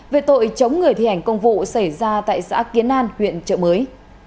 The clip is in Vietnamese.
về tội chống người thi hành công vụ xảy ra tại xã kiến an huyện trợ mới